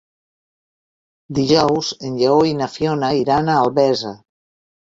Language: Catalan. Dijous en Lleó i na Fiona iran a Albesa.